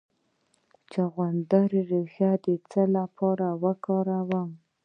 د چغندر ریښه د څه لپاره وکاروم؟